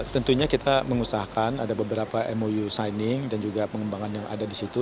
tentunya kita mengusahakan ada beberapa mou signing dan juga pengembangan yang ada di situ